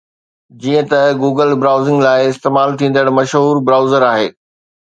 جيئن ته Google browsing لاءِ استعمال ٿيندڙ مشهور برائوزر آهي